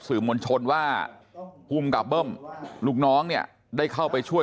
สื่อมวลชนว่าภูมิกับเบิ้มลูกน้องเนี่ยได้เข้าไปช่วย